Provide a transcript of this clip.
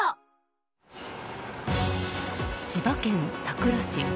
千葉県佐倉市。